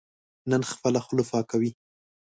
نن خپله خوله پاکوي.